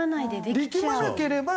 力まなければ。